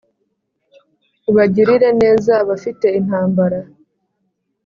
Ubagirire neza abafite intambara